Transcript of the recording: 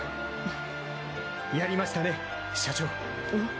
やりましたね社長。